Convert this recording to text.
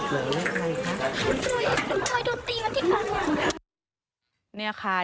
สิบเลี้ยงร้ำสะอาดกั้นนะคะ